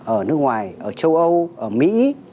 ở nước ngoài ở châu âu ở mỹ